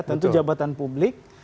tentu jabatan publik